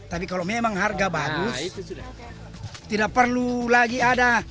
tapi kalau memang harga bagus tidak perlu lagi ada